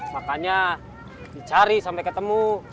makanya cari sampai ketemu